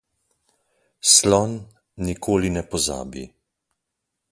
Slon nikoli ne pozabi.